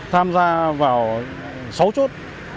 tham gia vào sáu chút